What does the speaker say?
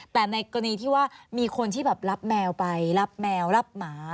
แต่ในกรณีที่ว่ามีคนที่แบบรับแมวไปรับแมวรับหมา